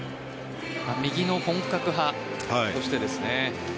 右の本格派としてですね。